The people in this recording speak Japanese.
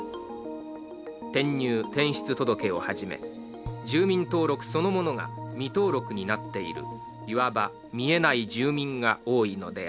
転入転出届をはじめ住民登録そのものが未登録になっているいわば「見えない住民」が多いのである。